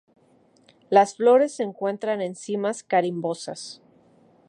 Las flores se encuentran en cimas corimbosas.